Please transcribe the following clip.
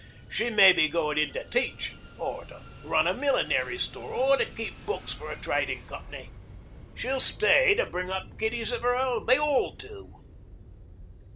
She may be going in to teach, or to run a millinery store, or to keep books for a trading company. She'll stay to bring up kiddies of her own. They all do."